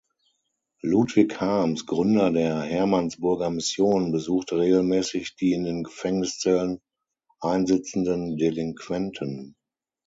Ludwig Harms, Gründer der Hermannsburger Mission, besuchte regelmäßig die in den Gefängniszellen einsitzenden Delinquenten.